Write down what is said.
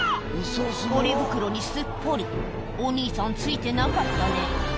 ポリ袋にすっぽりお兄さんツイてなかったね